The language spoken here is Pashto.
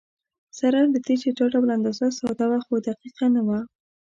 سره له دې چې دا ډول اندازه ساده وه، خو دقیقه نه وه.